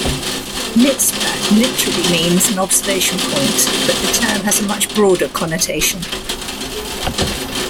"Mitzpeh" literally means an observation point but the term has a much broader connotation.